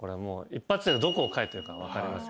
一発でどこを描いてるか分かる。